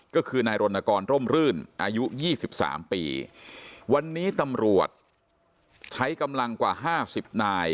ก็คือนายรนกรร่มรื่นอายุ๒๓ปีวันนี้ตำรวจใช้กำลังกว่า๕๐นาย